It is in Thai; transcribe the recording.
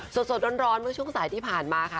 สดร้อนเมื่อช่วงสายที่ผ่านมาค่ะ